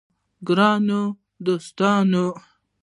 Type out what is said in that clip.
ګرانو دوستانو!